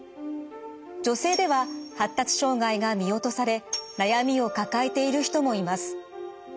女性では発達障害が見落とされ悩みを抱えている人もいます。